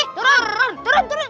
turun turun turun